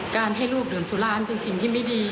การให้ลูกดื่มสุรานเป็นสิ่งที่ไม่ดี